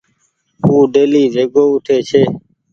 او ڊيلي ويگو اُٺي ڇي۔